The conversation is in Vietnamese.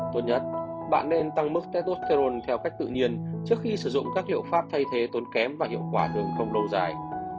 tốt nhất bạn nên tăng mức teosterol theo cách tự nhiên trước khi sử dụng các liệu pháp thay thế tốn kém và hiệu quả đường không lâu dài